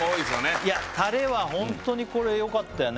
いやタレはホントにこれよかったよね